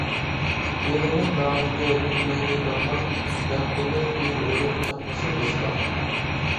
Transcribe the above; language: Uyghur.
يېلىنىپ نامەردكە كۈلمەيلى دانلاپ، بەختىمىز يۈز ئۆرۈپ قاچمىسۇن دوستلار.